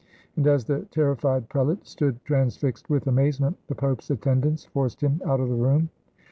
And as the terrified prelate stood transfixed with amazement, the Pope's attendants forced him out of the room.